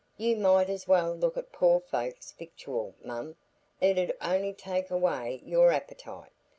You might as well look at poor folks's victual, mum; it 'ud on'y take away your appetite.